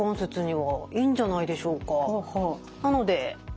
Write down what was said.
はい。